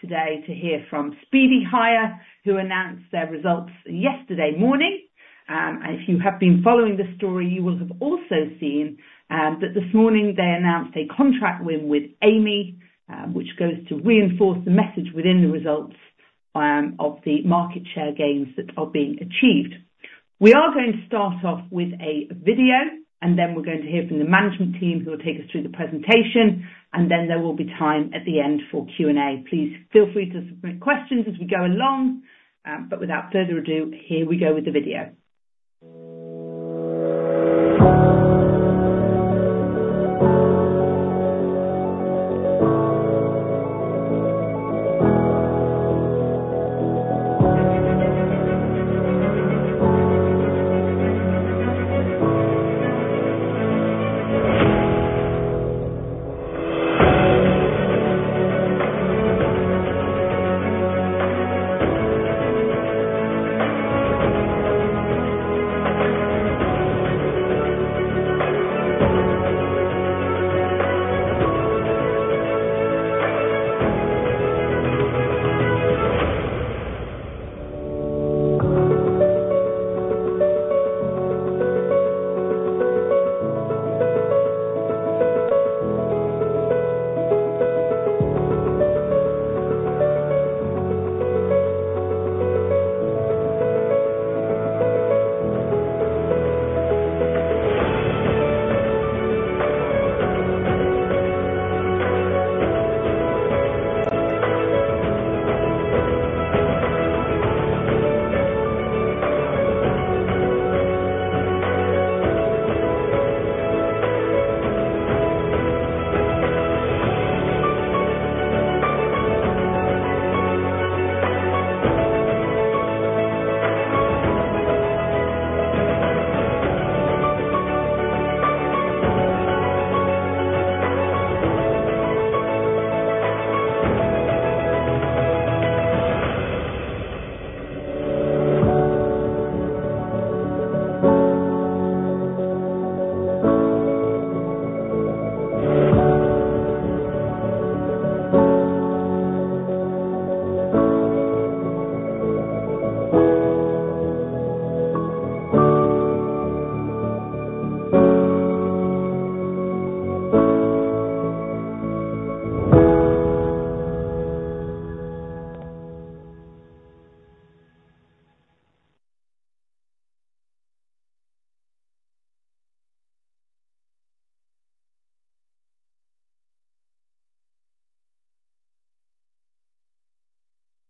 Today to hear from Speedy Hire, who announced their results yesterday morning. If you have been following the story, you will have also seen that this morning they announced a contract win with Amey, which goes to reinforce the message within the results of the market share gains that are being achieved. We are going to start off with a video, and then we're going to hear from the management team, who will take us through the presentation. Then there will be time at the end for Q&A. Please feel free to submit questions as we go along. Without further ado, here we go with the video.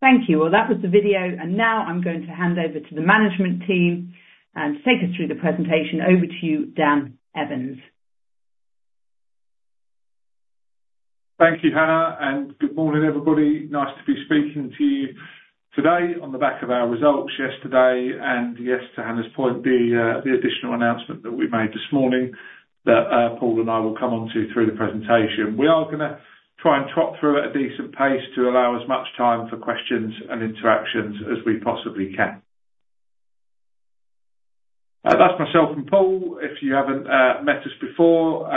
Thank you. Well, that was the video. Now I'm going to hand over to the management team and take us through the presentation. Over to you, Dan Evans. Thank you, Hannah. Good morning, everybody. Nice to be speaking to you today on the back of our results yesterday. Yes, to Hannah's point, the additional announcement that we made this morning that Paul and I will come on to through the presentation. We are going to try and trot through at a decent pace to allow as much time for questions and interactions as we possibly can. That's myself and Paul. If you haven't met us before,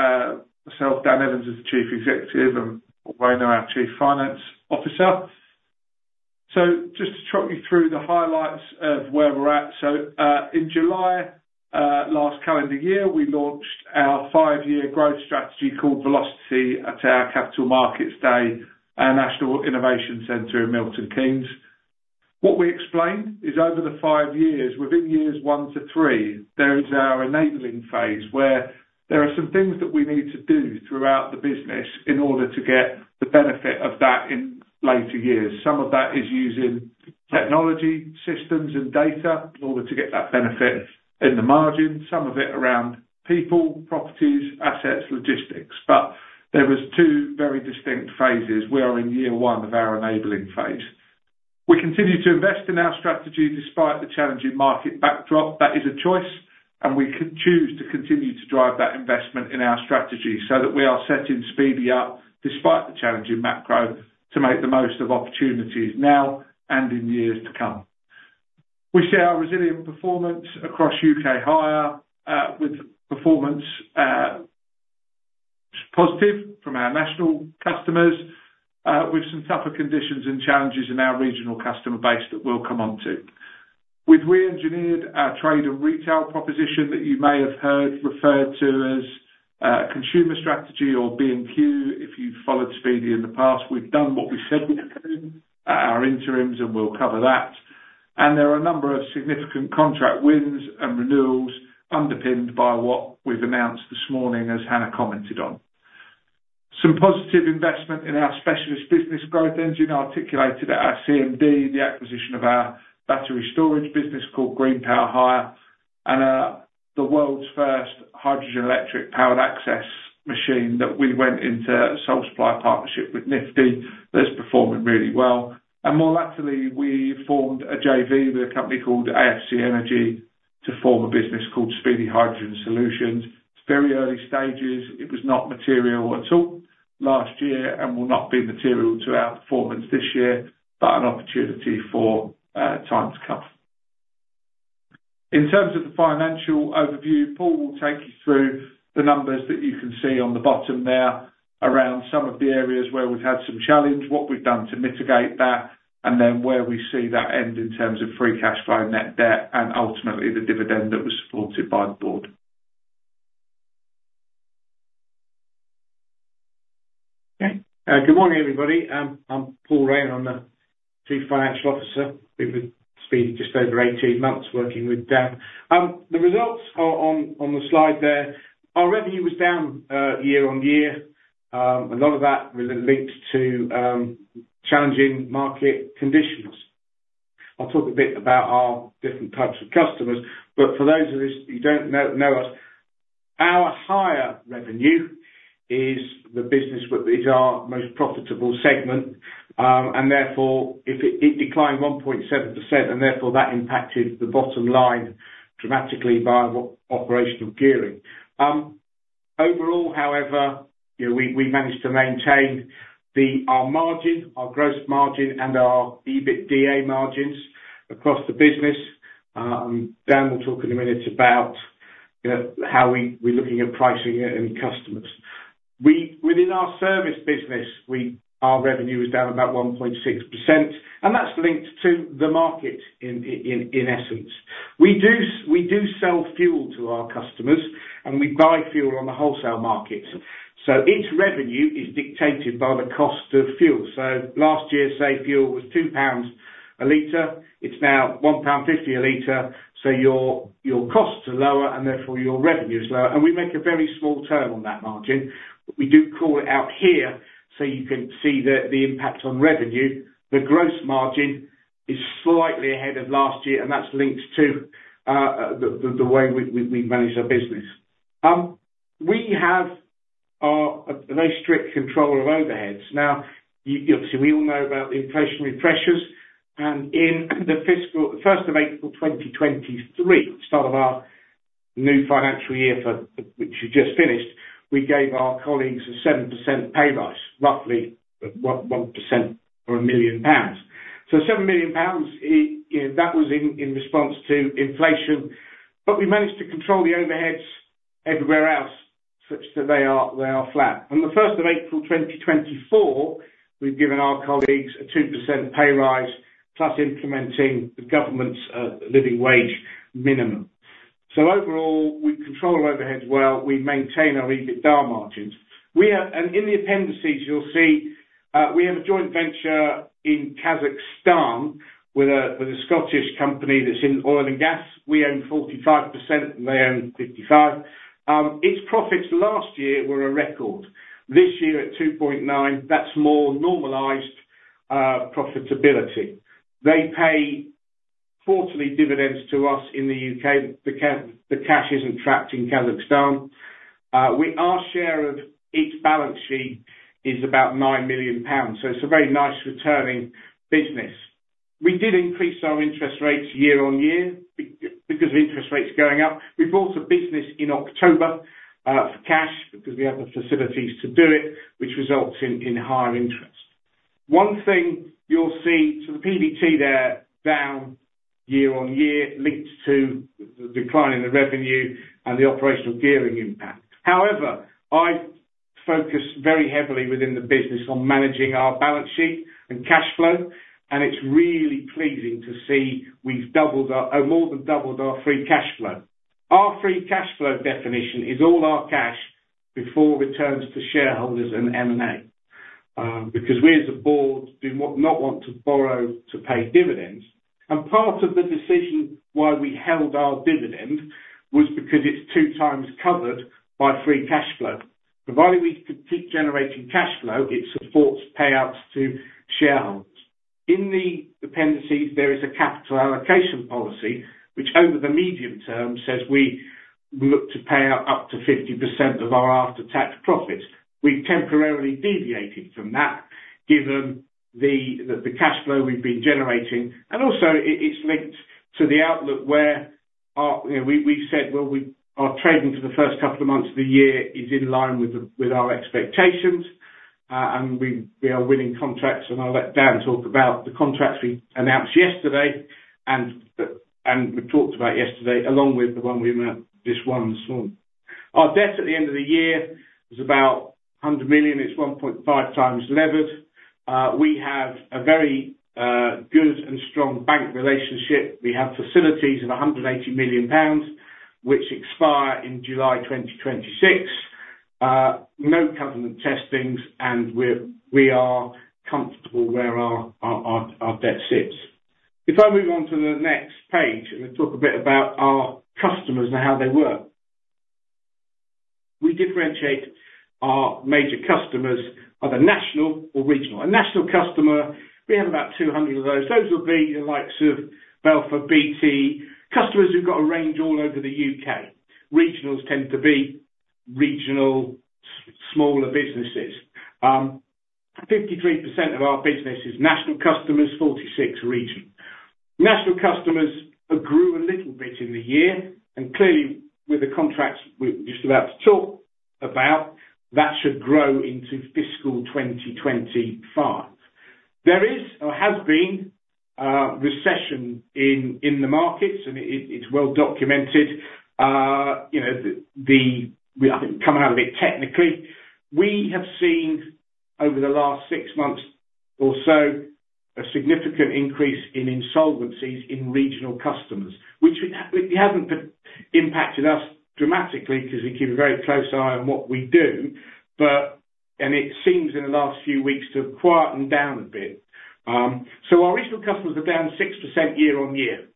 myself, Dan Evans, as the Chief Executive, and Paul Rayner, our Chief Financial Officer. So just to trot you through the highlights of where we're at. So in July last calendar year, we launched our five-year growth strategy called Velocity at our Capital Markets Day at our National Innovation Centre in Milton Keynes. What we explained is over the 5 years, within years 1-3, there is our enabling phase where there are some things that we need to do throughout the business in order to get the benefit of that in later years. Some of that is using technology, systems, and data in order to get that benefit in the margin. Some of it around people, properties, assets, logistics. But there were two very distinct phases. We are in year 1 of our enabling phase. We continue to invest in our strategy despite the challenging market backdrop. That is a choice. And we choose to continue to drive that investment in our strategy so that we are setting Speedy up despite the challenging macro to make the most of opportunities now and in years to come. We share our resilient performance across UK Hire with performance positive from our national customers with some tougher conditions and challenges in our regional customer base that we'll come on to. We've re-engineered our trade and retail proposition that you may have heard referred to as consumer strategy or B&Q if you've followed Speedy in the past. We've done what we said we would do at our interims, and we'll cover that. There are a number of significant contract wins and renewals underpinned by what we've announced this morning, as Hannah commented on. Some positive investment in our specialist business growth engine articulated at our CMD, the acquisition of our battery storage business called Green Power Hire, and the world's first hydrogen electric powered access machine that we went into sole supply partnership with Nifty that is performing really well. More lately, we formed a JV with a company called AFC Energy to form a business called Speedy Hydrogen Solutions. It's very early stages. It was not material until last year and will not be material to our performance this year, but an opportunity for time to come. In terms of the financial overview, Paul will take you through the numbers that you can see on the bottom there around some of the areas where we've had some challenge, what we've done to mitigate that, and then where we see that end in terms of free cash flow, net debt, and ultimately the dividend that was supported by the board. Okay. Good morning, everybody. I'm Paul Rayner. I'm the Chief Financial Officer. We've been with Speedy just over 18 months working with Dan. The results are on the slide there. Our revenue was down year-on-year. A lot of that was linked to challenging market conditions. I'll talk a bit about our different types of customers. But for those of us who don't know us, our hire revenue is the business that is our most profitable segment. And therefore, it declined 1.7%. And therefore, that impacted the bottom line dramatically by operational gearing. Overall, however, we managed to maintain our margin, our gross margin, and our EBITDA margins across the business. Dan will talk in a minute about how we're looking at pricing and customers. Within our service business, our revenue was down about 1.6%. And that's linked to the market in essence. We do sell fuel to our customers, and we buy fuel on the wholesale market. So each revenue is dictated by the cost of fuel. So last year, say, fuel was 2 pounds a liter. It's now 1.50 pound a liter. So your costs are lower, and therefore, your revenue is lower. And we make a very small turn on that margin. We do call it out here so you can see the impact on revenue. The gross margin is slightly ahead of last year, and that's linked to the way we manage our business. We have a very strict control of overheads. Now, obviously, we all know about the inflationary pressures. And in the first of April 2023, the start of our new financial year, which we just finished, we gave our colleagues a 7% pay rise, roughly 1% or 1 million pounds. So 7 million pounds, that was in response to inflation. But we managed to control the overheads everywhere else such that they are flat. On the first of April 2024, we've given our colleagues a 2% pay rise, plus implementing the government's Living Wage minimum. So overall, we control overheads well. We maintain our EBITDA margins. And in the appendices, you'll see we have a joint venture in Kazakhstan with a Scottish company that's in oil and gas. We own 45%, and they own 55%. Its profits last year were a record. This year, at 2.9%, that's more normalized profitability. They pay quarterly dividends to us in the UK. The cash isn't trapped in Kazakhstan. Our share of each balance sheet is about 9 million pounds. So it's a very nice returning business. We did increase our interest rates year-on-year because of interest rates going up. We bought a business in October for cash because we have the facilities to do it, which results in higher interest. One thing you'll see to the PBT there down year-on-year links to the decline in the revenue and the operational gearing impact. However, I focus very heavily within the business on managing our balance sheet and cash flow. It's really pleasing to see we've more than doubled our free cash flow. Our free cash flow definition is all our cash before returns to shareholders and M&A because we, as a board, do not want to borrow to pay dividends. Part of the decision why we held our dividend was because it's two times covered by free cash flow. Provided we could keep generating cash flow, it supports payouts to shareholders. In the appendices, there is a capital allocation policy, which over the medium term says we look to pay out up to 50% of our after-tax profits. We've temporarily deviated from that given the cash flow we've been generating. Also, it's linked to the outlook where we've said, "Well, our trading for the first couple of months of the year is in line with our expectations." We are winning contracts. I'll let Dan talk about the contracts we announced yesterday. We talked about yesterday along with the one we announced, this one this morning. Our debt at the end of the year is about 100 million. It's 1.5 times levered. We have a very good and strong bank relationship. We have facilities of 180 million pounds, which expire in July 2026. No covenant testing. We are comfortable where our debt sits. Before I move on to the next page, I'm going to talk a bit about our customers and how they work. We differentiate our major customers either national or regional. A national customer, we have about 200 of those. Those would be the likes of Balfour, BT, customers who've got a range all over the U.K. Regionals tend to be regional smaller businesses. 53% of our business is national customers, 46% regional. National customers grew a little bit in the year. Clearly, with the contracts we're just about to talk about, that should grow into fiscal 2025. There is or has been recession in the markets, and it's well documented. I think we're coming out of it technically. We have seen over the last six months or so a significant increase in insolvencies in regional customers, which hasn't impacted us dramatically because we keep a very close eye on what we do. It seems in the last few weeks to have quieted down a bit. Our regional customers are down 6% year-over-year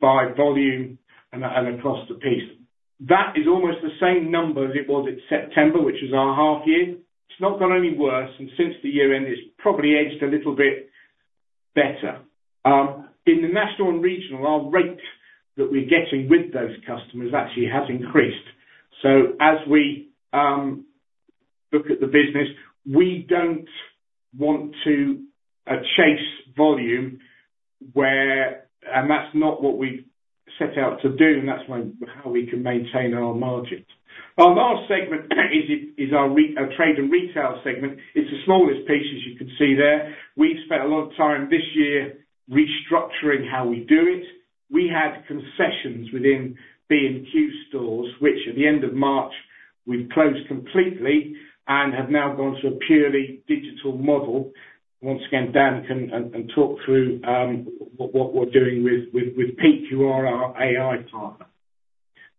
by volume and across the piece. That is almost the same number as it was in September, which was our half year. It's not gotten any worse. Since the year-end, it's probably edged a little bit better. In the national and regional, our rate that we're getting with those customers actually has increased. As we look at the business, we don't want to chase volume, and that's not what we've set out to do. That's how we can maintain our margins. Our last segment is our trade and retail segment. It's the smallest piece, as you can see there. We've spent a lot of time this year restructuring how we do it. We had concessions within B&Q stores, which at the end of March, we've closed completely and have now gone to a purely digital model. Once again, Dan can talk through what we're doing with Peak, who are our AI partner.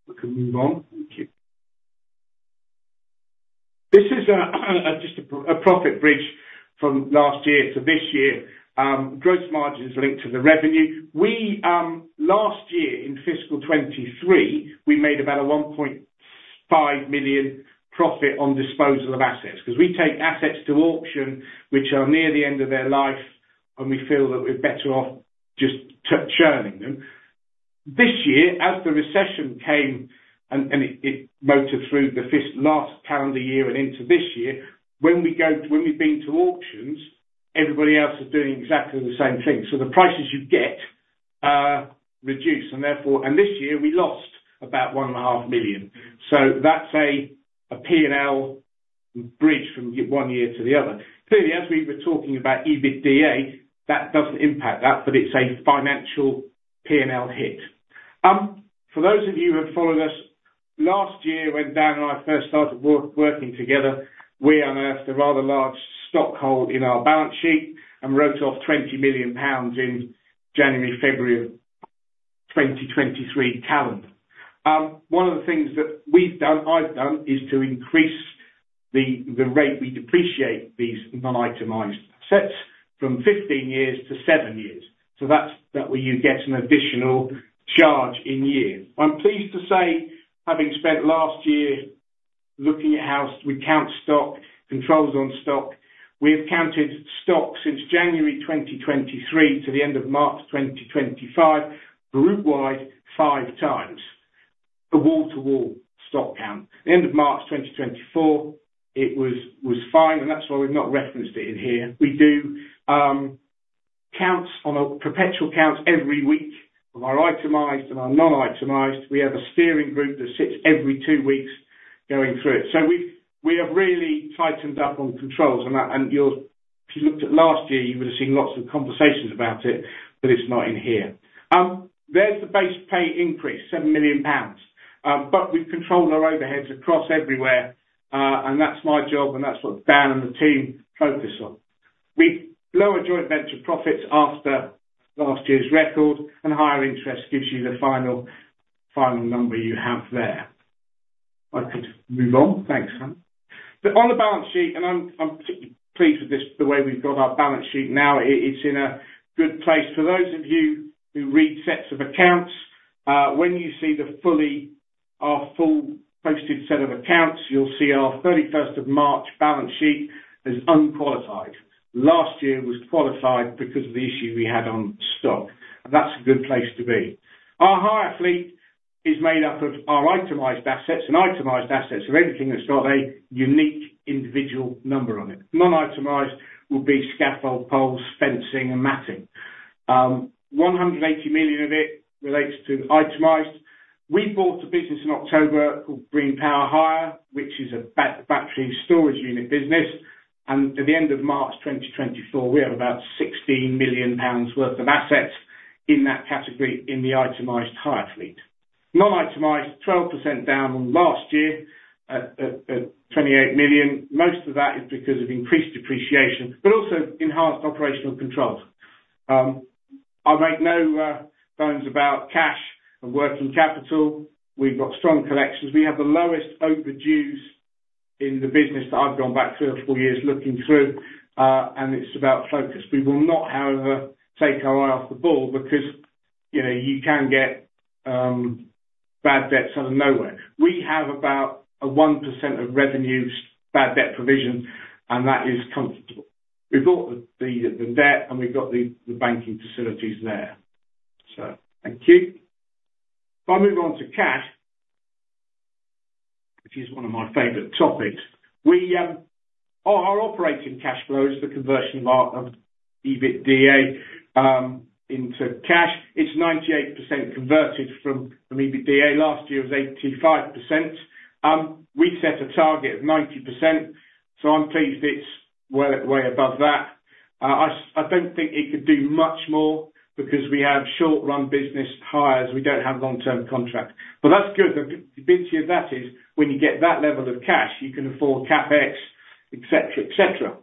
We can move on. Thank you. This is just a profit bridge from last year to this year. Gross margins linked to the revenue. Last year, in fiscal 2023, we made about a 1.5 million profit on disposal of assets because we take assets to auction, which are near the end of their life, and we feel that we're better off just churning them. This year, as the recession came and it motored through the last calendar year and into this year, when we've been to auctions, everybody else is doing exactly the same thing. So the prices you get are reduced. And this year, we lost about 1.5 million. So that's a P&L bridge from one year to the other. Clearly, as we were talking about EBITDA, that doesn't impact that, but it's a financial P&L hit. For those of you who have followed us, last year, when Dan and I first started working together, we announced a rather large stock hold in our balance sheet and wrote off 20 million pounds in January, February of 2023 calendar. One of the things that I've done is to increase the rate we depreciate these non-itemized assets from 15 years-7 years. So that's where you get an additional charge in year. I'm pleased to say, having spent last year looking at how we count stock, controls on stock, we have counted stock since January 2023 to the end of March 2025, group-wise, 5 times, a wall-to-wall stock count. The end of March 2024, it was fine. And that's why we've not referenced it in here. We do perpetual counts every week of our itemized and our non-itemized. We have a steering group that sits every two weeks going through it. So we have really tightened up on controls. And if you looked at last year, you would have seen lots of conversations about it, but it's not in here. There's the base pay increase, 7 million pounds. But we've controlled our overheads across everywhere. And that's my job. And that's what Dan and the team focus on. We lower joint venture profits after last year's record, and higher interest gives you the final number you have there. I could move on. Thanks, Han. On the balance sheet, I'm particularly pleased with the way we've got our balance sheet now; it's in a good place. For those of you who read sets of accounts, when you see our full posted set of accounts, you'll see our 31st of March balance sheet is unqualified. Last year was qualified because of the issue we had on stock. That's a good place to be. Our hire fleet is made up of our itemized assets. Itemized assets are anything that's got a unique individual number on it. Non-itemized would be scaffold poles, fencing, and matting. 180 million of it relates to itemized. We bought a business in October called Green Power Hire, which is a battery storage unit business. At the end of March 2024, we have about 16 million pounds worth of assets in that category in the itemized hire fleet. Non-itemized, 12% down last year at 28 million. Most of that is because of increased depreciation, but also enhanced operational controls. I make no bones about cash and working capital. We've got strong collections. We have the lowest overdues in the business that I've gone back three or four years looking through. And it's about focus. We will not, however, take our eye off the ball because you can get bad debt out of nowhere. We have about a 1% of revenue bad debt provision, and that is comfortable. We've bought the debt, and we've got the banking facilities there. So thank you. If I move on to cash, which is one of my favorite topics, our operating cash flow is the conversion of EBITDA into cash. It's 98% converted from EBITDA. Last year was 85%. We set a target of 90%. So I'm pleased it's well way above that. I don't think it could do much more because we have short-run business hires. We don't have long-term contracts. But that's good. The beauty of that is when you get that level of cash, you can afford CapEx, etc., etc.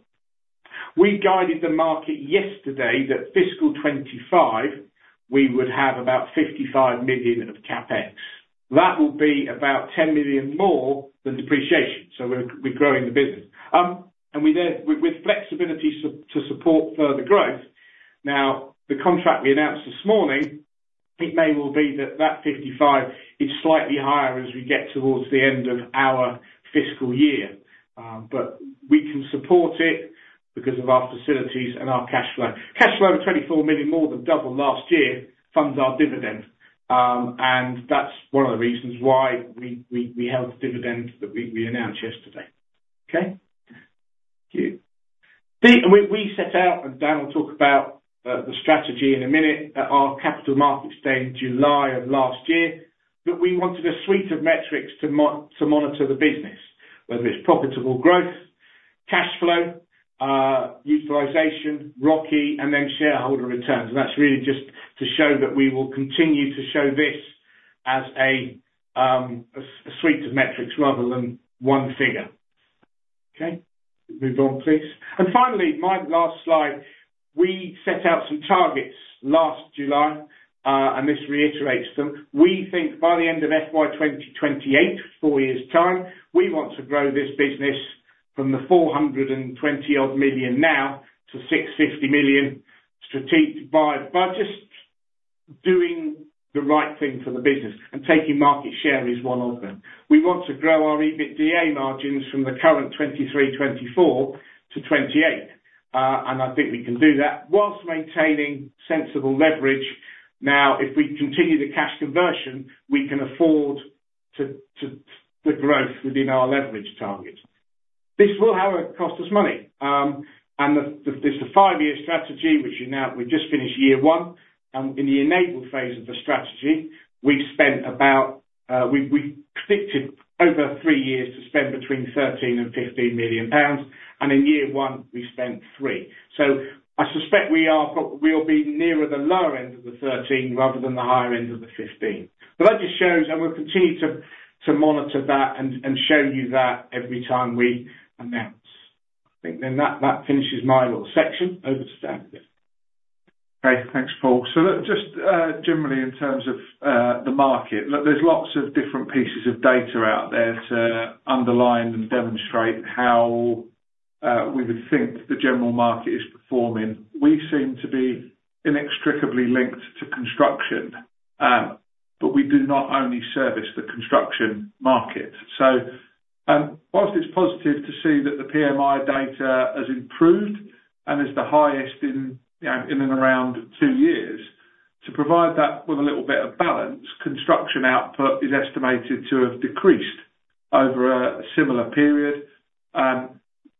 We guided the market yesterday that fiscal 2025, we would have about 55 million of CapEx. That will be about 10 million more than depreciation. So we're growing the business. And with flexibility to support further growth, now, the contract we announced this morning, it may well be that that 55 million is slightly higher as we get towards the end of our fiscal year. But we can support it because of our facilities and our cash flow. Cash flow of 24 million more than double last year funds our dividend. And that's one of the reasons why we held the dividend that we announced yesterday. Okay? Thank you. We set out, and Dan will talk about the strategy in a minute, that our Capital Markets Day July of last year. But we wanted a suite of metrics to monitor the business, whether it's profitable growth, cash flow, utilization, ROCE, and then shareholder returns. And that's really just to show that we will continue to show this as a suite of metrics rather than one figure. Okay? Move on, please. And finally, my last slide. We set out some targets last July, and this reiterates them. We think by the end of FY 2028, four years' time, we want to grow this business from the 420 million now to 650 million by just doing the right thing for the business. Taking market share is one of them. We want to grow our EBITDA margins from the current 23/24 to 28%. I think we can do that while maintaining sensible leverage. Now, if we continue the cash conversion, we can afford the growth within our leverage targets. This will, however, cost us money. It's a five-year strategy, which we've just finished year one. In the enabled phase of the strategy, we've spent about we predicted over three years to spend between 13 million and 15 million pounds. In year one, we spent 3 million. So I suspect we'll be nearer the lower end of the 13 rather than the higher end of the 15. But that just shows, and we'll continue to monitor that and show you that every time we announce. I think then that finishes my little section. Over to Dan. Okay. Thanks, Paul. So just generally, in terms of the market, there's lots of different pieces of data out there to underline and demonstrate how we would think the general market is performing. We seem to be inextricably linked to construction, but we do not only service the construction market. So while it's positive to see that the PMI data has improved and is the highest in and around two years, to provide that with a little bit of balance, construction output is estimated to have decreased over a similar period.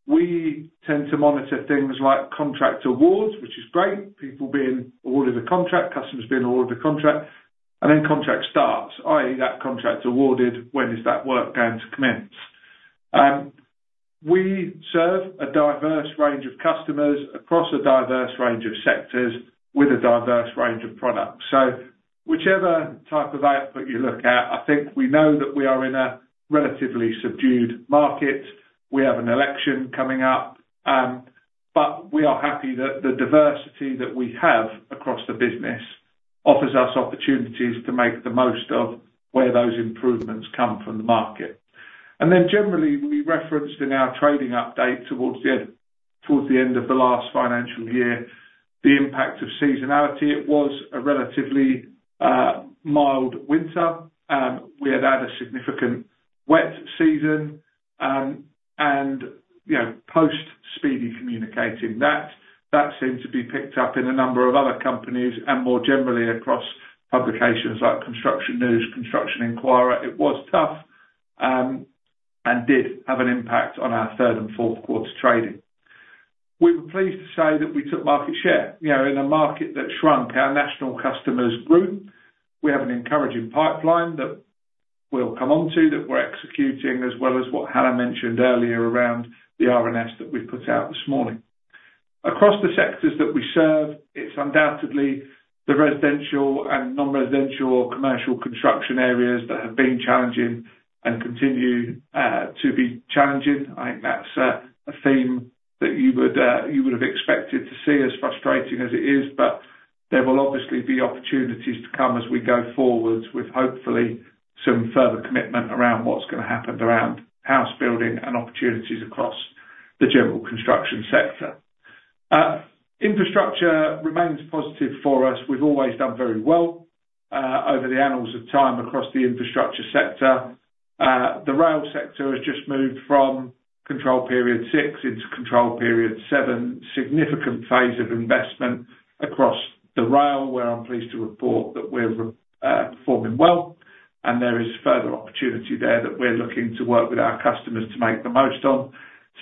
We tend to monitor things like contract awards, which is great, people being awarded a contract, customers being awarded a contract, and then contract starts, i.e., that contract's awarded, when is that work going to commence? We serve a diverse range of customers across a diverse range of sectors with a diverse range of products. So whichever type of output you look at, I think we know that we are in a relatively subdued market. We have an election coming up. But we are happy that the diversity that we have across the business offers us opportunities to make the most of where those improvements come from the market. And then generally, we referenced in our trading update towards the end of the last financial year the impact of seasonality. It was a relatively mild winter. We had had a significant wet season. Post-Speedy communication, that seemed to be picked up in a number of other companies and more generally across publications like Construction News, Construction Inquirer. It was tough and did have an impact on our third and fourth quarter trading. We were pleased to say that we took market share. In a market that shrunk, our national customers grew. We have an encouraging pipeline that we'll come on to that we're executing, as well as what Hannah mentioned earlier around the RNS that we've put out this morning. Across the sectors that we serve, it's undoubtedly the residential and non-residential or commercial construction areas that have been challenging and continue to be challenging. I think that's a theme that you would have expected to see as frustrating as it is. But there will obviously be opportunities to come as we go forward with, hopefully, some further commitment around what's going to happen around house building and opportunities across the general construction sector. Infrastructure remains positive for us. We've always done very well over the annals of time across the infrastructure sector. The rail sector has just moved from Control Period 6 into Control Period 7. Significant phase of investment across the rail, where I'm pleased to report that we're performing well. And there is further opportunity there that we're looking to work with our customers to make the most of.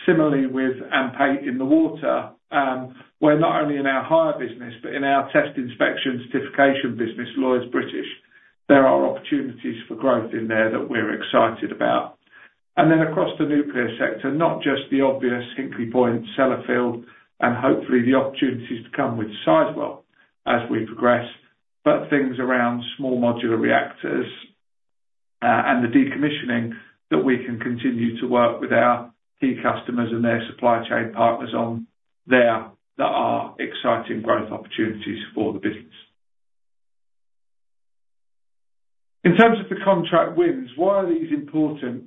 Similarly, with AMP8 in the water, where not only in our hire business, but in our test inspection certification business, Lloyds British, there are opportunities for growth in there that we're excited about. And then across the nuclear sector, not just the obvious Hinkley Point, Sellafield, and hopefully the opportunities to come with Sizewell as we progress, but things around small modular reactors and the decommissioning that we can continue to work with our key customers and their supply chain partners on there that are exciting growth opportunities for the business. In terms of the contract wins, why are these important?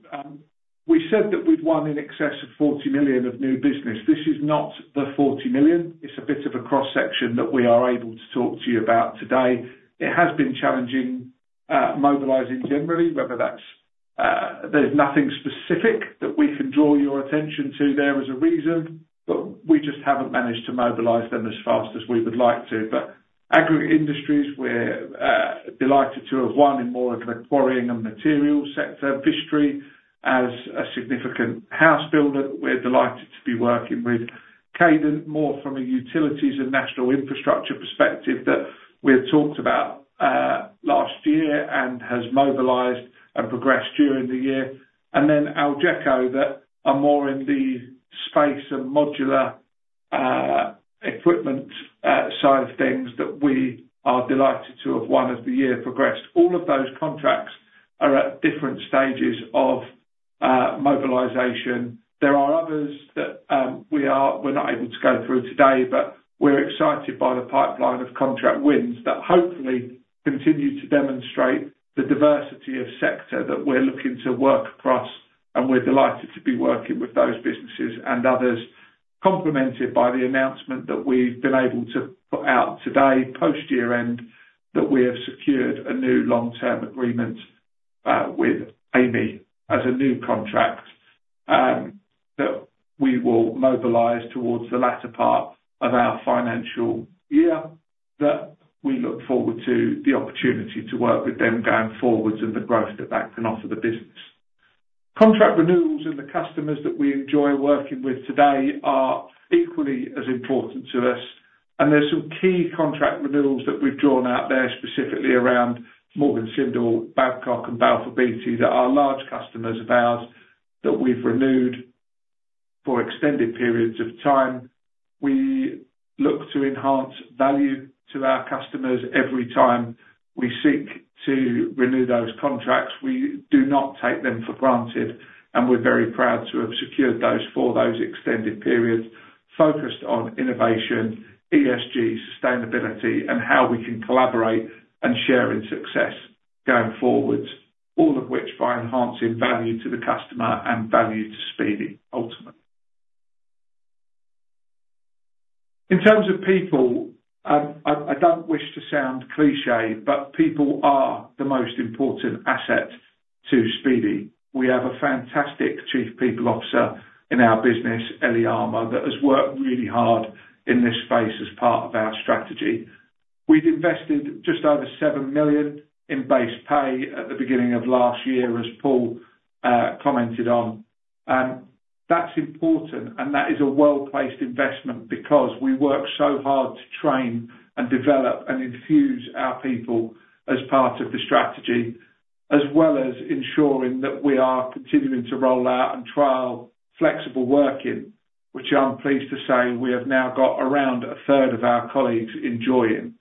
We said that we'd won in excess of 40 million of new business. This is not the 40 million. It's a bit of a cross-section that we are able to talk to you about today. It has been challenging mobilising generally, whether that's there's nothing specific that we can draw your attention to there as a reason, but we just haven't managed to mobilise them as fast as we would like to. But Aggregate Industries, we're delighted to have won in more of the quarrying and material sector, Vistry as a significant house builder. We're delighted to be working with Cadent, more from a utilities and national infrastructure perspective that we had talked about last year and has mobilized and progressed during the year. And then Algeco, that are more in the space and modular equipment side of things that we are delighted to have won as the year progressed. All of those contracts are at different stages of mobilization. There are others that we're not able to go through today, but we're excited by the pipeline of contract wins that hopefully continue to demonstrate the diversity of sector that we're looking to work across. And we're delighted to be working with those businesses and others, complemented by the announcement that we've been able to put out today, post-year end, that we have secured a new long-term agreement with Amey as a new contract that we will mobilise towards the latter part of our financial year, that we look forward to the opportunity to work with them going forward and the growth that that can offer the business. Contract renewals and the customers that we enjoy working with today are equally as important to us. There's some key contract renewals that we've drawn out there specifically around Morgan Sindall, Babcock, and Balfour Beatty that are large customers of ours that we've renewed for extended periods of time. We look to enhance value to our customers every time we seek to renew those contracts. We do not take them for granted. We're very proud to have secured those for those extended periods, focused on innovation, ESG, sustainability, and how we can collaborate and share in success going forward, all of which by enhancing value to the customer and value to Speedy, ultimately. In terms of people, I don't wish to sound cliché, but people are the most important asset to Speedy. We have a fantastic Chief People Officer in our business, Ellie Armour, that has worked really hard in this space as part of our strategy. We've invested just over 7 million in base pay at the beginning of last year, as Paul commented on. That's important, and that is a well-placed investment because we work so hard to train and develop and infuse our people as part of the strategy, as well as ensuring that we are continuing to roll out and trial flexible working, which I'm pleased to say we have now got around a third of our colleagues enjoying.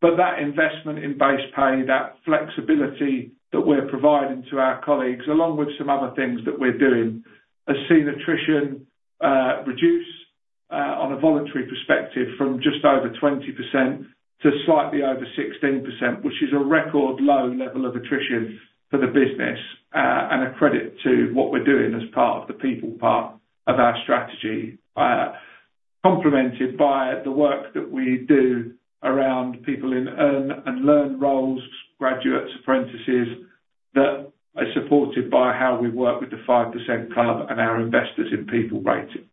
But that investment in base pay, that flexibility that we're providing to our colleagues, along with some other things that we're doing, has seen attrition reduce on a voluntary perspective from just over 20% to slightly over 16%, which is a record low level of attrition for the business and a credit to what we're doing as part of the people part of our strategy, complemented by the work that we do around people in earn and learn roles, graduates, apprentices that are supported by how we work with the 5% Club and our Investors in People rating.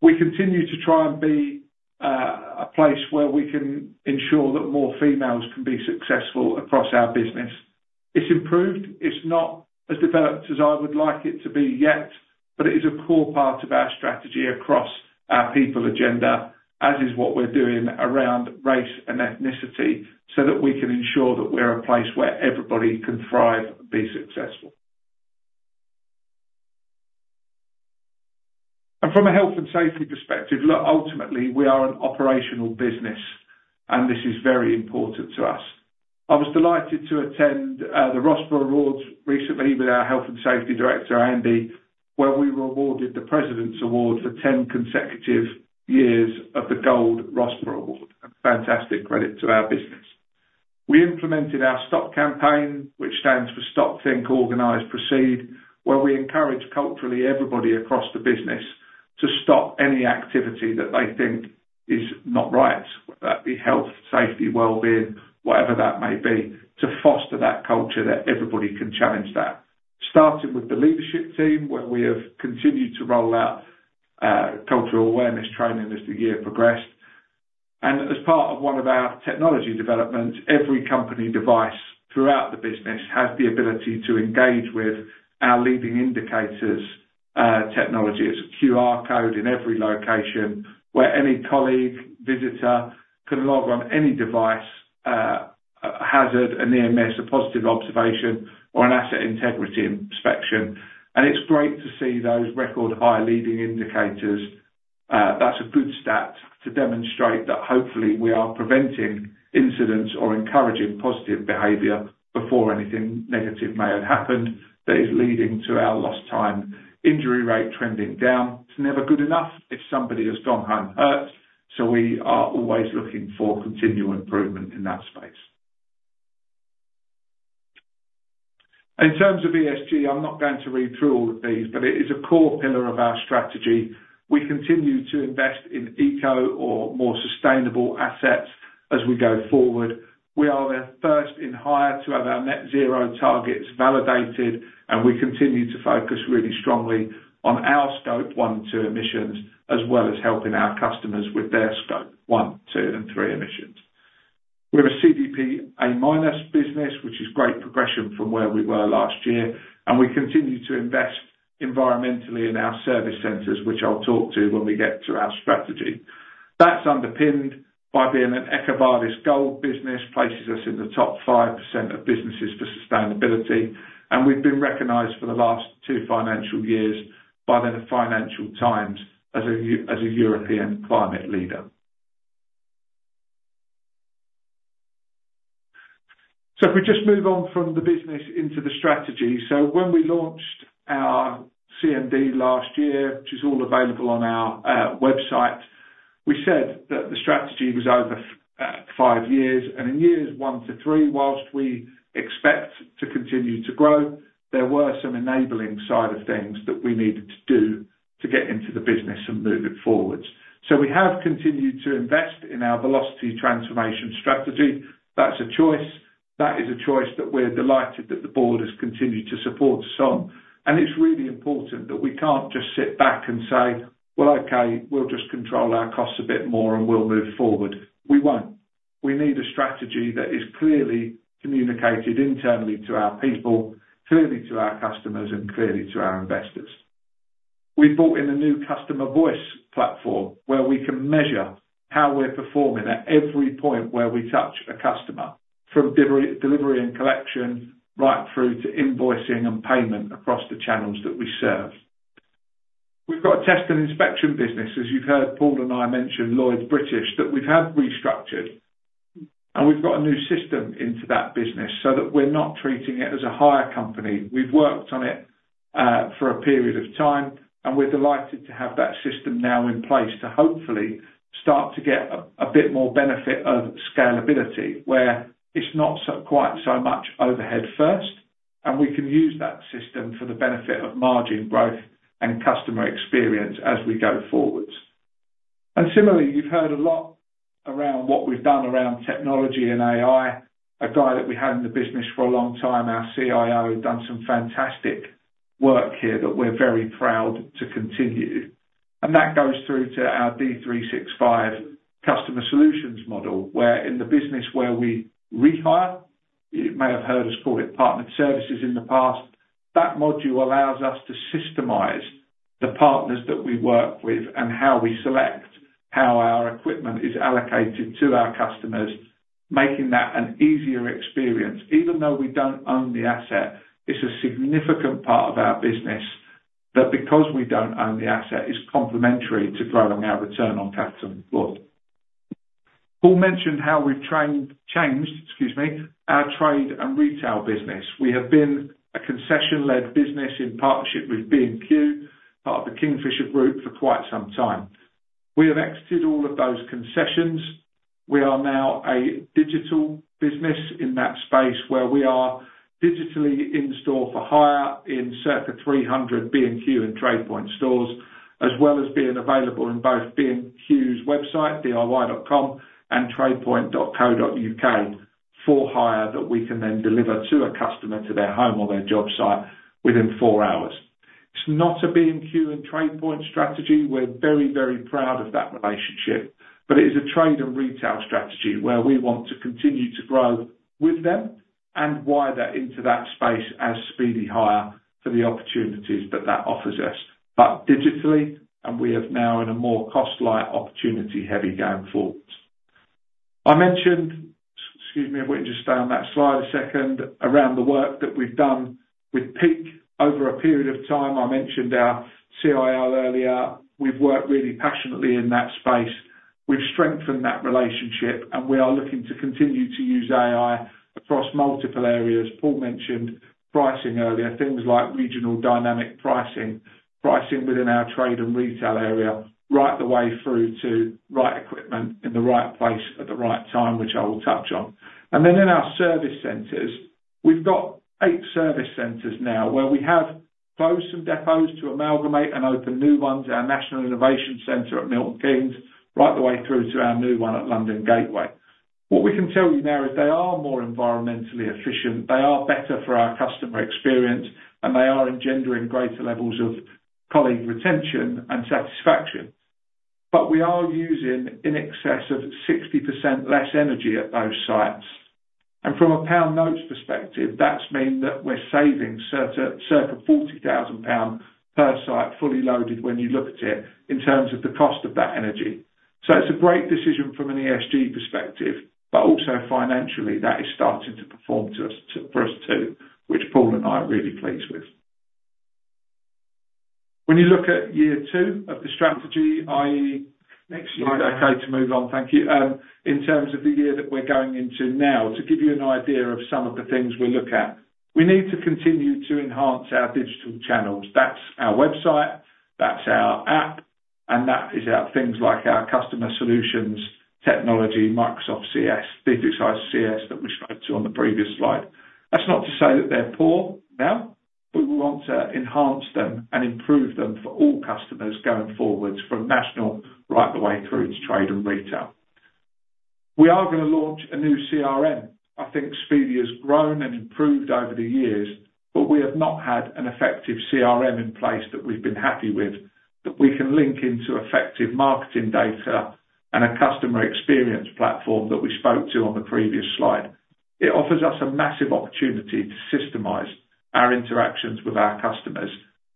We continue to try and be a place where we can ensure that more females can be successful across our business. It's improved. It's not as developed as I would like it to be yet, but it is a core part of our strategy across our people agenda, as is what we're doing around race and ethnicity, so that we can ensure that we're a place where everybody can thrive and be successful. From a health and safety perspective, ultimately, we are an operational business, and this is very important to us. I was delighted to attend the RoSPA Awards recently with our health and safety director, Andy, where we were awarded the President's Award for 10 consecutive years of the Gold RoSPA Award. Fantastic credit to our business. We implemented our STOP campaign, which stands for Stop, Think, Organize, Proceed, where we encourage culturally everybody across the business to stop any activity that they think is not right, whether that be health, safety, well-being, whatever that may be, to foster that culture that everybody can challenge that. Starting with the leadership team, where we have continued to roll out cultural awareness training as the year progressed. As part of one of our technology developments, every company device throughout the business has the ability to engage with our leading indicators technology. It's a QR code in every location where any colleague, visitor can log on any device, a hazard, an EMS, a positive observation, or an asset integrity inspection. It's great to see those record high leading indicators. That's a good stat to demonstrate that hopefully we are preventing incidents or encouraging positive behavior before anything negative may have happened that is leading to our lost time. Injury rate trending down. It's never good enough if somebody has gone home hurt. So we are always looking for continuing improvement in that space. In terms of ESG, I'm not going to read through all of these, but it is a core pillar of our strategy. We continue to invest in eco or more sustainable assets as we go forward. We are the first in hire to have our net zero targets validated, and we continue to focus really strongly on our scope one and two emissions, as well as helping our customers with their scope one, two, and three emissions. We're a CDP A- business, which is great progression from where we were last year. We continue to invest environmentally in our service centers, which I'll talk to when we get to our strategy. That's underpinned by being an EcoVadis Gold business, places us in the top 5% of businesses for sustainability. We've been recognized for the last two financial years by the Financial Times as a European climate leader. If we just move on from the business into the strategy. When we launched our CMD last year, which is all available on our website, we said that the strategy was over five years. In years one to three, whilst we expect to continue to grow, there were some enabling side of things that we needed to do to get into the business and move it forwards. We have continued to invest in our velocity transformation strategy. That's a choice. That is a choice that we're delighted that the board has continued to support some. And it's really important that we can't just sit back and say, "Well, okay, we'll just control our costs a bit more and we'll move forward." We won't. We need a strategy that is clearly communicated internally to our people, clearly to our customers, and clearly to our investors. We've brought in a new customer voice platform where we can measure how we're performing at every point where we touch a customer, from delivery and collection right through to invoicing and payment across the channels that we serve. We've got a test and inspection business, as you've heard Paul and I mention Lloyds British, that we've had restructured. And we've got a new system into that business so that we're not treating it as a hire company. We've worked on it for a period of time, and we're delighted to have that system now in place to hopefully start to get a bit more benefit of scalability, where it's not quite so much overhead first, and we can use that system for the benefit of margin growth and customer experience as we go forward. And similarly, you've heard a lot around what we've done around technology and AI. A guy that we had in the business for a long time, our CIO, has done some fantastic work here that we're very proud to continue. And that goes through to our D365 customer solutions model, where in the business where we rehire, you may have heard us call it partnered services in the past. That module allows us to systemize the partners that we work with and how we select how our equipment is allocated to our customers, making that an easier experience. Even though we don't own the asset, it's a significant part of our business that because we don't own the asset, is complementary to growing our return on capital and growth. Paul mentioned how we've changed, excuse me, our trade and retail business. We have been a concession-led business in partnership with B&Q, part of the Kingfisher Group for quite some time. We have exited all of those concessions. We are now a digital business in that space where we are digitally in store for hire in circa 300 B&Q and TradePoint stores, as well as being available in both B&Q's website, diy.com, and tradepoint.co.uk for hire that we can then deliver to a customer to their home or their job site within four hours. It's not a B&Q and TradePoint strategy. We're very, very proud of that relationship, but it is a trade and retail strategy where we want to continue to grow with them and wire that into that space as Speedy Hire for the opportunities that that offers us, but digitally, and we have now in a more cost-light opportunity heavy going forwards. I mentioned, excuse me, I wouldn't just stay on that slide a second, around the work that we've done with Peak over a period of time. I mentioned our CIO earlier. We've worked really passionately in that space. We've strengthened that relationship, and we are looking to continue to use AI across multiple areas. Paul mentioned pricing earlier, things like regional dynamic pricing, pricing within our trade and retail area, right the way through to right equipment in the right place at the right time, which I will touch on. And then in our service centers, we've got eight service centers now where we have closed some depots to amalgamate and open new ones, our National Innovation Centre at Milton Keynes, right the way through to our new one at London Gateway. What we can tell you now is they are more environmentally efficient. They are better for our customer experience, and they are engendering greater levels of colleague retention and satisfaction. But we are using in excess of 60% less energy at those sites. From a pound notes perspective, that means that we're saving circa 40,000 pound per site fully loaded when you look at it in terms of the cost of that energy. So it's a great decision from an ESG perspective, but also financially, that is starting to perform for us too, which Paul and I are really pleased with. When you look at year two of the strategy, i.e., next year, okay, to move on, thank you. In terms of the year that we're going into now, to give you an idea of some of the things we look at, we need to continue to enhance our digital channels. That's our website, that's our app, and that is our things like our customer solutions, technology, Microsoft CRM, Speedy Hire CRM that we showed you on the previous slide. That's not to say that they're poor now, but we want to enhance them and improve them for all customers going forward from national right the way through to trade and retail. We are going to launch a new CRM. I think Speedy has grown and improved over the years, but we have not had an effective CRM in place that we've been happy with that we can link into effective marketing data and a customer experience platform that we spoke to on the previous slide. It offers us a massive opportunity to systemize our interactions with our customers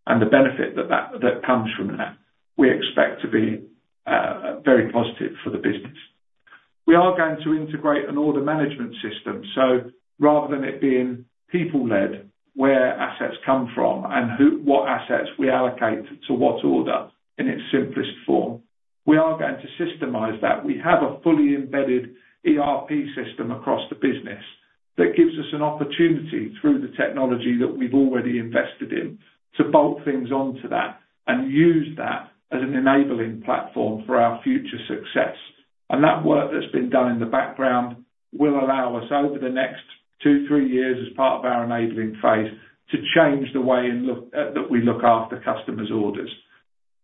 and the benefit that comes from that. We expect to be very positive for the business. We are going to integrate an order management system. So rather than it being people-led, where assets come from and what assets we allocate to what order in its simplest form, we are going to systemize that. We have a fully embedded ERP system across the business that gives us an opportunity through the technology that we've already invested in to bolt things onto that and use that as an enabling platform for our future success. And that work that's been done in the background will allow us over the next two, three years as part of our enabling phase to change the way that we look after customers' orders.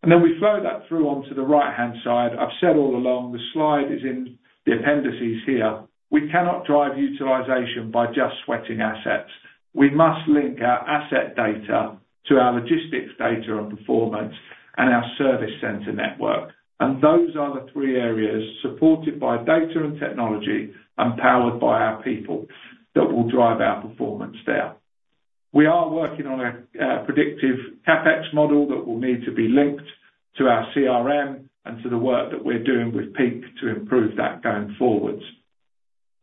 And then we flow that through onto the right-hand side. I've said all along, the slide is in the appendices here. We cannot drive utilization by just sweating assets. We must link our asset data to our logistics data and performance and our service center network. Those are the three areas supported by data and technology and powered by our people that will drive our performance there. We are working on a predictive CapEx model that will need to be linked to our CRM and to the work that we're doing with Peak to improve that going forward.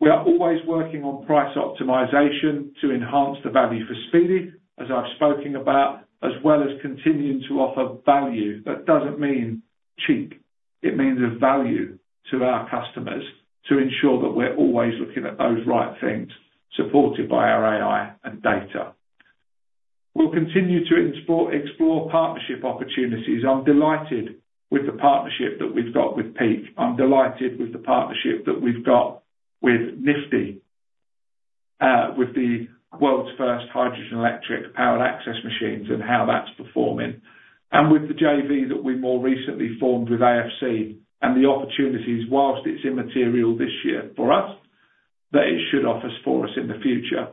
We are always working on price optimization to enhance the value for Speedy, as I've spoken about, as well as continuing to offer value. That doesn't mean cheap. It means of value to our customers to ensure that we're always looking at those right things supported by our AI and data. We'll continue to explore partnership opportunities. I'm delighted with the partnership that we've got with Peak. I'm delighted with the partnership that we've got with Nifty, with the world's first hydrogen electric powered access machines and how that's performing, and with the JV that we more recently formed with AFC and the opportunities, while it's immaterial this year for us, that it should offer for us in the future.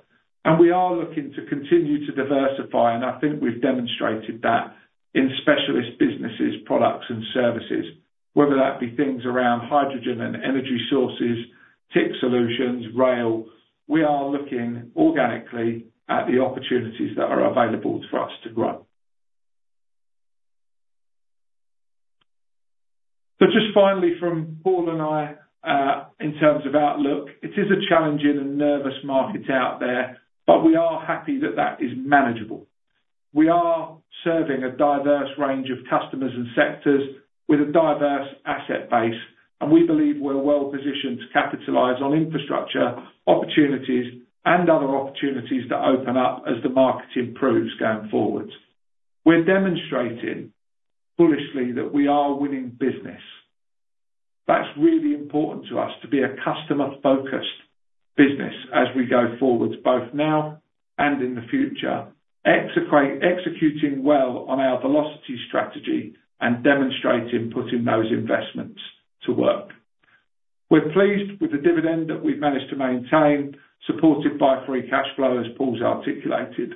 We are looking to continue to diversify, and I think we've demonstrated that in specialist businesses, products, and services, whether that be things around hydrogen and energy sources, tech solutions, rail. We are looking organically at the opportunities that are available for us to grow. So just finally, from Paul and I, in terms of outlook, it is a challenging and nervous market out there, but we are happy that that is manageable. We are serving a diverse range of customers and sectors with a diverse asset base, and we believe we're well positioned to capitalize on infrastructure, opportunities, and other opportunities that open up as the market improves going forward. We're demonstrating foolishly that we are winning business. That's really important to us to be a customer-focused business as we go forward, both now and in the future, executing well on our Velocity strategy and demonstrating putting those investments to work. We're pleased with the dividend that we've managed to maintain, supported by free cash flow, as Paul's articulated.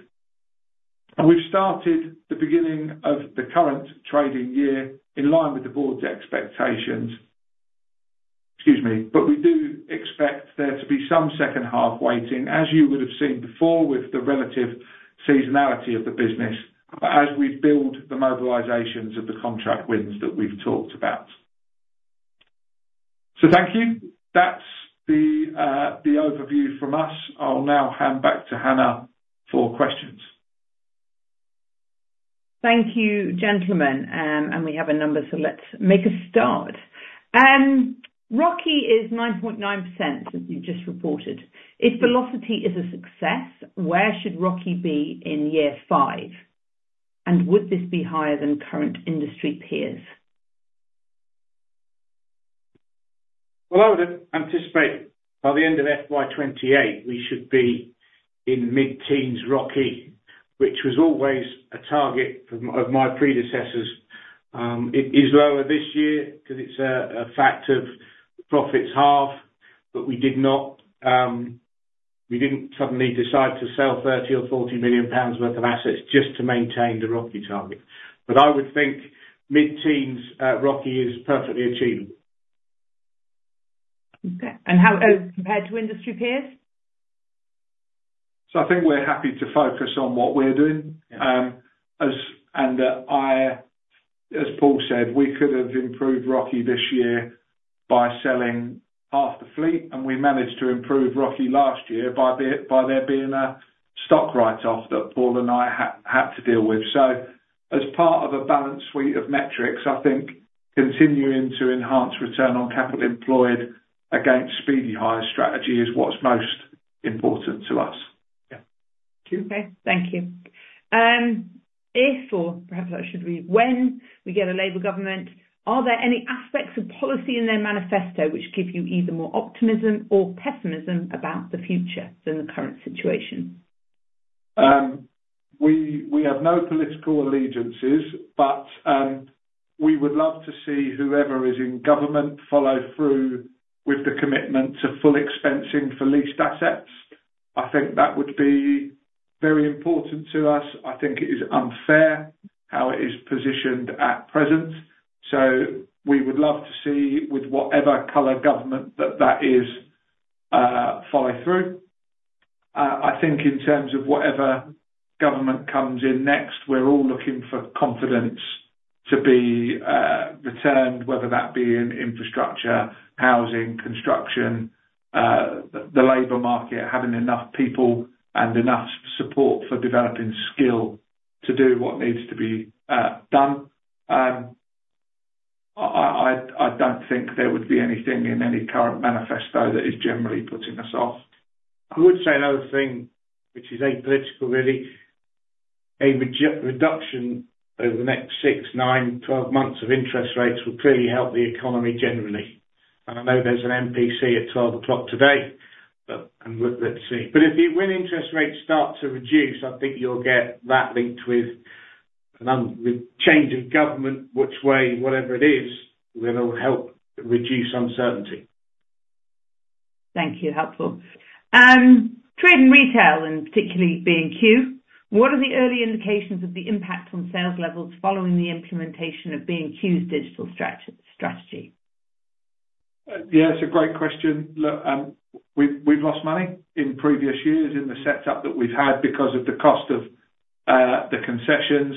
We've started the beginning of the current trading year in line with the board's expectations. Excuse me, but we do expect there to be some second half weighting, as you would have seen before with the relative seasonality of the business, as we build the mobilizations of the contract wins that we've talked about. So thank you. That's the overview from us. I'll now hand back to Hannah for questions. Thank you, gentlemen. And we have a number, so let's make a start. ROCE is 9.9%, as you've just reported. If Velocity is a success, where should ROCE be in year five? And would this be higher than current industry peers? Well, I would anticipate by the end of FY 2028, we should be in mid-teens ROCE, which was always a target of my predecessors. It is lower this year because it's after half profits, but we didn't suddenly decide to sell 30 million or 40 million pounds worth of assets just to maintain the ROCE target. But I would think mid-teens ROCE is perfectly achievable. Okay. And how is it compared to industry peers? So I think we're happy to focus on what we're doing. And as Paul said, we could have improved ROCE this year by selling half the fleet, and we managed to improve ROCE last year by there being a stock write-off that Paul and I had to deal with. So as part of a balanced suite of metrics, I think continuing to enhance return on capital employed against Speedy Hire strategy is what's most important to us. Yeah. Okay. Thank you. If, or perhaps that should be, when we get a Labour government, are there any aspects of policy in their manifesto which give you either more optimism or pessimism about the future than the current situation? We have no political allegiances, but we would love to see whoever is in government follow through with the commitment to full expensing for leased assets. I think that would be very important to us. I think it is unfair how it is positioned at present. So we would love to see with whatever color government that that is follow through. I think in terms of whatever government comes in next, we're all looking for confidence to be returned, whether that be in infrastructure, housing, construction, the labor market having enough people and enough support for developing skill to do what needs to be done. I don't think there would be anything in any current manifesto that is generally putting us off. I would say another thing, which is apolitical really, a reduction over the next 6, 9, 12 months of interest rates will clearly help the economy generally. And I know there's an MPC at 12:00 P.M. today, but let's see. But if you win interest rates start to reduce, I think you'll get that linked with change of government, which way, whatever it is, will help reduce uncertainty. Thank you. Helpful. Trade and retail, and particularly B&Q, what are the early indications of the impact on sales levels following the implementation of B&Q's digital strategy? Yeah, it's a great question. Look, we've lost money in previous years in the setup that we've had because of the cost of the concessions.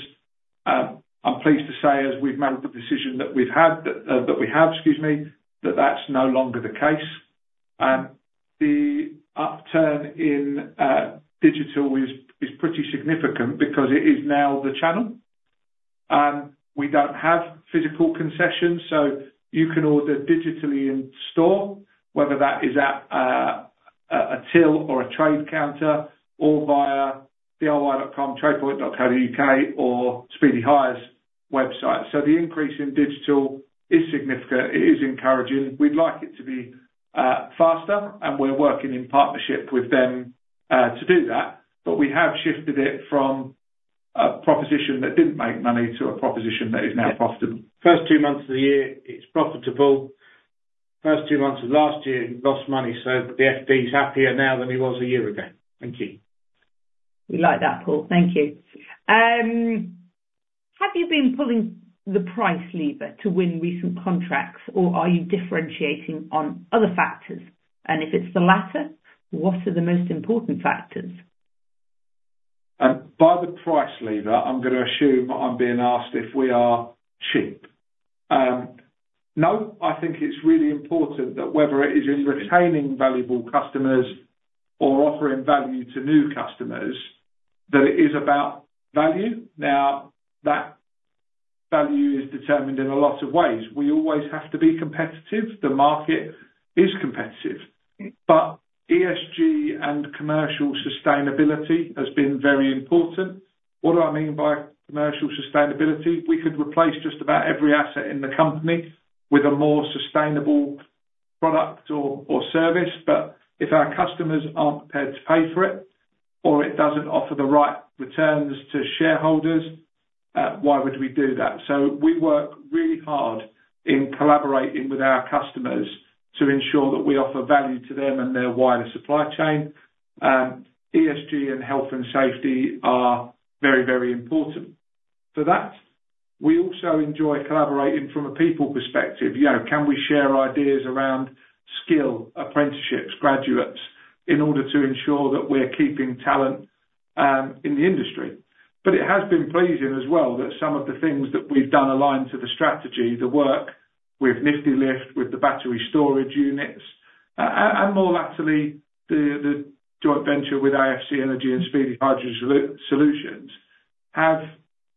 I'm pleased to say, as we've made the decision that that's no longer the case. The upturn in digital is pretty significant because it is now the channel. We don't have physical concessions, so you can order digitally in store, whether that is at a till or a trade counter or via diy.com, tradepoint.co.uk, or Speedy Hire's website. So the increase in digital is significant. It is encouraging. We'd like it to be faster, and we're working in partnership with them to do that. But we have shifted it from a proposition that didn't make money to a proposition that is now profitable. First two months of the year, it's profitable. First two months of last year, lost money. So the FD is happier now than he was a year ago. Thank you. We like that, Paul. Thank you. Have you been pulling the price lever to win recent contracts, or are you differentiating on other factors? And if it's the latter, what are the most important factors? By the price lever, I'm going to assume I'm being asked if we are cheap. No, I think it's really important that whether it is in retaining valuable customers or offering value to new customers, that it is about value. Now, that value is determined in a lot of ways. We always have to be competitive. The market is competitive. But ESG and commercial sustainability has been very important. What do I mean by commercial sustainability? We could replace just about every asset in the company with a more sustainable product or service, but if our customers aren't prepared to pay for it or it doesn't offer the right returns to shareholders, why would we do that? So we work really hard in collaborating with our customers to ensure that we offer value to them and their wider supply chain. ESG and health and safety are very, very important for that. We also enjoy collaborating from a people perspective. Can we share ideas around skill, apprenticeships, graduates in order to ensure that we're keeping talent in the industry? But it has been pleasing as well that some of the things that we've done align to the strategy, the work with Niftylift, with the battery storage units, and more laterally, the joint venture with AFC Energy and Speedy Hydrogen Solutions have,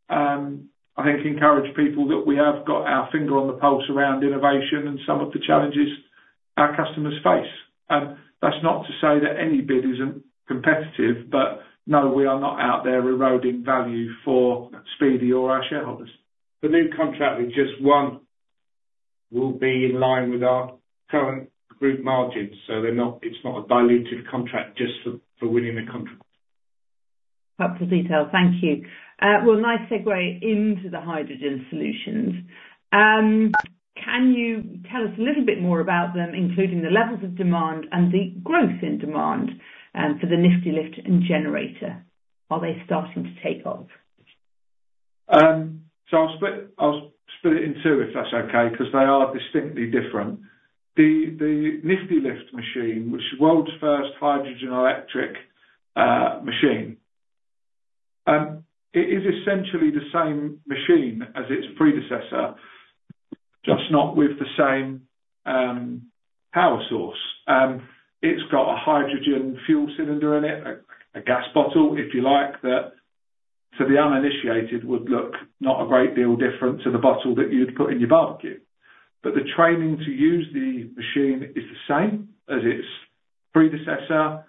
I think, encouraged people that we have got our finger on the pulse around innovation and some of the challenges our customers face. That's not to say that any bid isn't competitive, but no, we are not out there eroding value for Speedy or our shareholders. The new contract we just won will be in line with our current group margins. It's not a diluted contract just for winning a contract. Helpful detail. Thank you. Well, nice segue into the hydrogen solutions. Can you tell us a little bit more about them, including the levels of demand and the growth in demand for the Nifty Lift and generator? Are they starting to take off? I'll split it in two if that's okay because they are distinctly different. The Nifty Lift machine, which is the world's first hydrogen electric machine, is essentially the same machine as its predecessor, just not with the same power source. It's got a hydrogen fuel cylinder in it, a gas bottle, if you like, that to the uninitiated would look not a great deal different to the bottle that you'd put in your barbecue. But the training to use the machine is the same as its predecessor.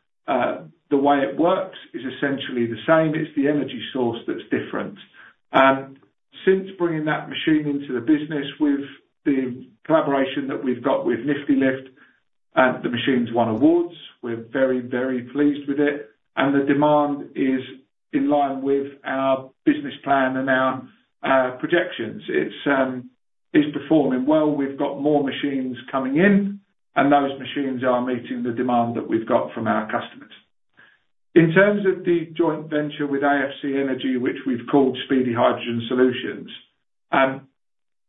The way it works is essentially the same. It's the energy source that's different. Since bringing that machine into the business, with the collaboration that we've got with Niftylift, the machine's won awards. We're very, very pleased with it. And the demand is in line with our business plan and our projections. It's performing well. We've got more machines coming in, and those machines are meeting the demand that we've got from our customers. In terms of the joint venture with AFC Energy, which we've called Speedy Hydrogen Solutions,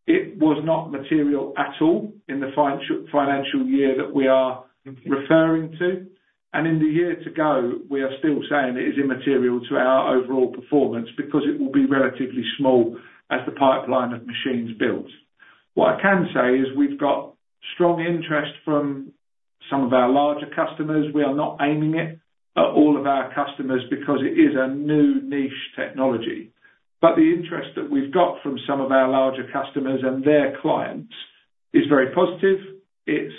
it was not material at all in the financial year that we are referring to. In the year to go, we are still saying it is immaterial to our overall performance because it will be relatively small as the pipeline of machines builds. What I can say is we've got strong interest from some of our larger customers. We are not aiming it at all of our customers because it is a new niche technology. But the interest that we've got from some of our larger customers and their clients is very positive. It's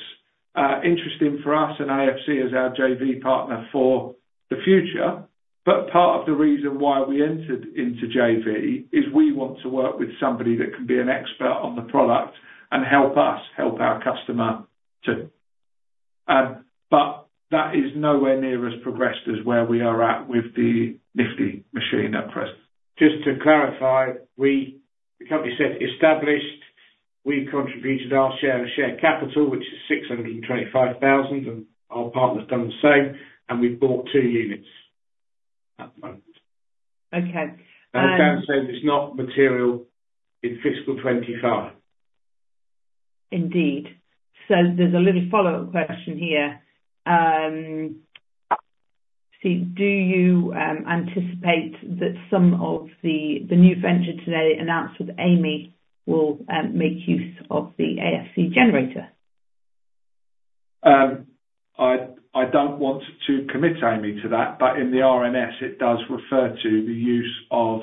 interesting for us, and AFC is our JV partner for the future. But part of the reason why we entered into JV is we want to work with somebody that can be an expert on the product and help us help our customer too. But that is nowhere near as progressed as where we are at with the Niftylift machine at present. Just to clarify, the company's established. We've contributed our share of share capital, which is 625,000, and our partner's done the same. And we've bought 2 units at the moment. Okay. And I'm going to say it's not material in fiscal 2025. Indeed. So there's a little follow-up question here. Do you anticipate that some of the new venture today announced with Amey will make use of the AFC generator? I don't want to commit Amey to that, but in the RNS, it does refer to the use of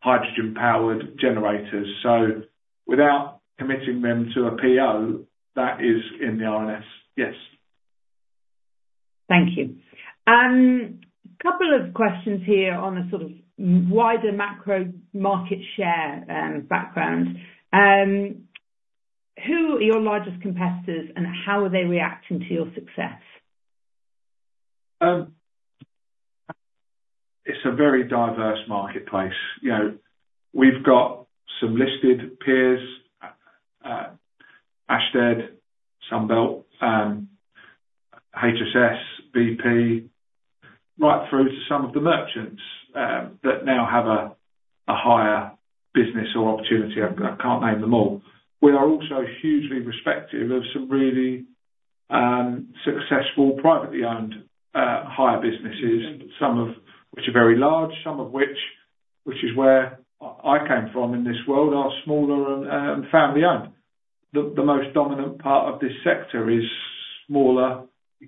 hydrogen-powered generators. So without committing them to a PO, that is in the RNS. Yes. Thank you. A couple of questions here on a sort of wider macro market share background. Who are your largest competitors, and how are they reacting to your success? It's a very diverse marketplace. We've got some listed peers: Ashtead, Sunbelt, HSS, Vp, right through to some of the merchants that now have a hire business or opportunity. I can't name them all. We are also hugely respectful of some really successful privately owned hire businesses, some of which are very large, some of which, which is where I came from in this world, are smaller and family-owned. The most dominant part of this sector is smaller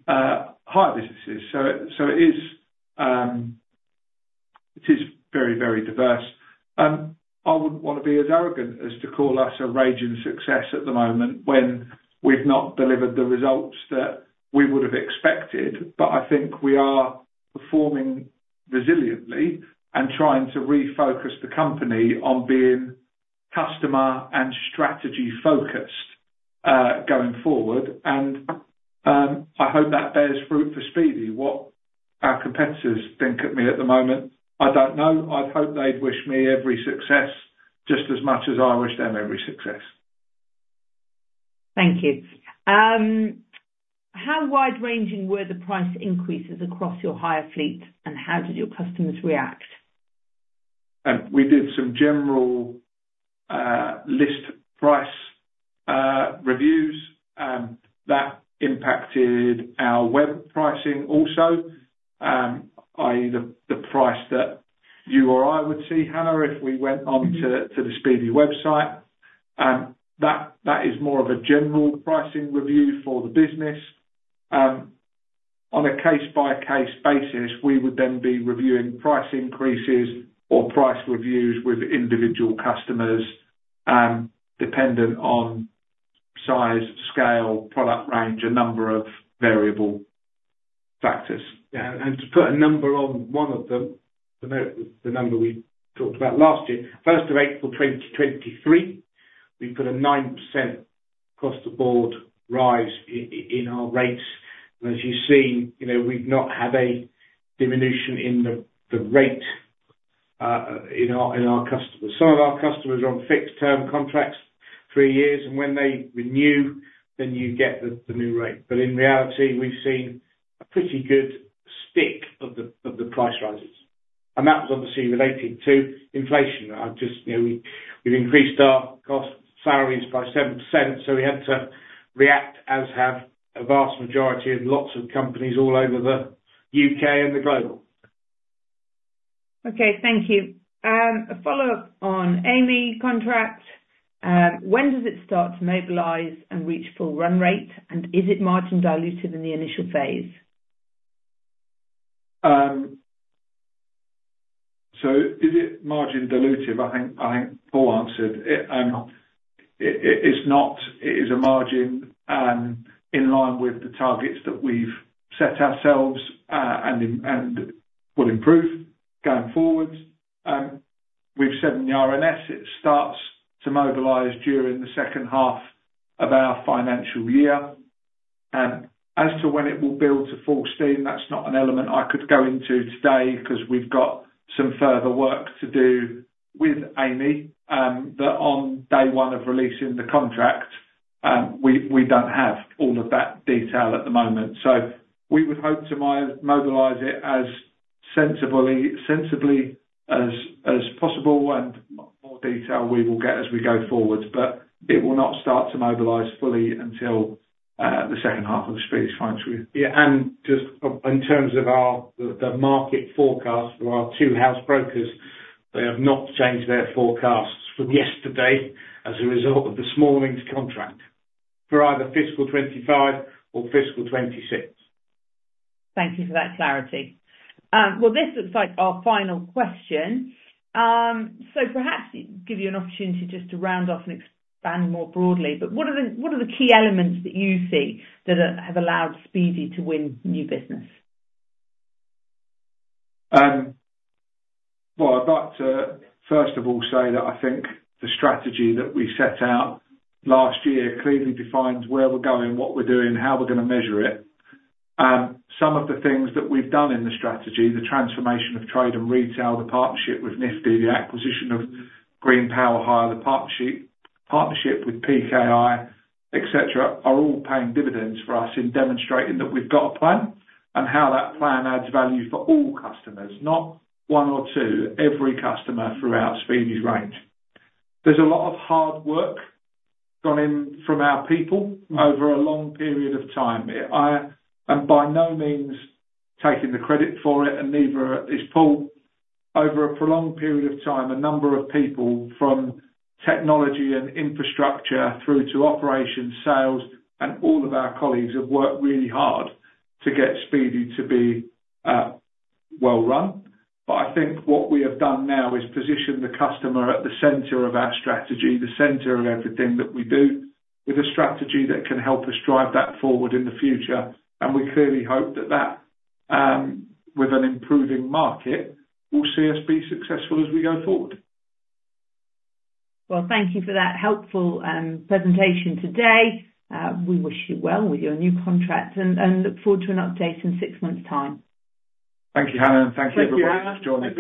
hire businesses. So it is very, very diverse. I wouldn't want to be as arrogant as to call us a raging success at the moment when we've not delivered the results that we would have expected. But I think we are performing resiliently and trying to refocus the company on being customer and strategy-focused going forward. And I hope that bears fruit for Speedy. What our competitors think of me at the moment, I don't know. I'd hope they'd wish me every success just as much as I wish them every success. Thank you. How wide-ranging were the price increases across your hire fleet, and how did your customers react? We did some general list price reviews. That impacted our web pricing also, i.e., the price that you or I would see, Hannah, if we went on to the Speedy website. That is more of a general pricing review for the business. On a case-by-case basis, we would then be reviewing price increases or price reviews with individual customers dependent on size, scale, product range, a number of variable factors. Yeah. And to put a number on one of them, the number we talked about last year, first of April 2023, we put a 9% across the board rise in our rates. And as you see, we've not had a diminution in the rate in our customers. Some of our customers are on fixed-term contracts, three years, and when they renew, then you get the new rate. But in reality, we've seen a pretty good stick of the price rises. And that was obviously related to inflation. We've increased our salaries by 7%, so we had to react as have a vast majority of lots of companies all over the UK and the globe. Okay. Thank you. A follow-up on Amey contract. When does it start to mobilize and reach full run rate, and is it margin dilutive in the initial phase? So is it margin dilutive? I think Paul answered. It is a margin in line with the targets that we've set ourselves and will improve going forward. We've said in the RNS, it starts to mobilize during the second half of our financial year. As to when it will build to full steam, that's not an element I could go into today because we've got some further work to do with Amey. But on day one of releasing the contract, we don't have all of that detail at the moment. So we would hope to mobilize it as sensibly as possible, and more detail we will get as we go forward. But it will not start to mobilize fully until the second half of the year, frankly. Yeah. Just in terms of the market forecast for our two house brokers, they have not changed their forecasts from yesterday as a result of this morning's contract for either fiscal 2025 or fiscal 2026. Thank you for that clarity. Well, this looks like our final question. Perhaps give you an opportunity just to round off and expand more broadly. What are the key elements that you see that have allowed Speedy to win new business? Well, I'd like to, first of all, say that I think the strategy that we set out last year clearly defines where we're going, what we're doing, how we're going to measure it. Some of the things that we've done in the strategy, the transformation of trade and retail, the partnership with Nifty, the acquisition of Green Power Hire, the partnership with PKI, etc., are all paying dividends for us in demonstrating that we've got a plan and how that plan adds value for all customers, not one or two, every customer throughout Speedy's range. There's a lot of hard work gone in from our people over a long period of time. By no means taking the credit for it, and neither is Paul. Over a prolonged period of time, a number of people from technology and infrastructure through to operations, sales, and all of our colleagues have worked really hard to get Speedy to be well-run. I think what we have done now is position the customer at the center of our strategy, the center of everything that we do, with a strategy that can help us drive that forward in the future. We clearly hope that that, with an improving market, will see us be successful as we go forward. Well, thank you for that helpful presentation today. We wish you well with your new contract and look forward to an update in six months' time. Thank you, Hannah, and thank you everybody for joining us.